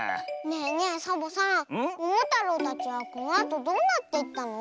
ねえねえサボさんももたろうたちはこのあとどうなっていったの？